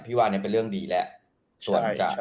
พี่ว่ามันเป็นเรื่องดีแล้ว